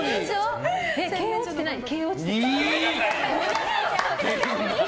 毛落ちてない？